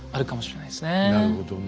なるほどね。